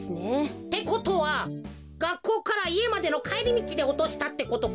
ってことはがっこうからいえまでのかえりみちでおとしたってことか？